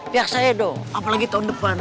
pihak saya dong apalagi tahun depan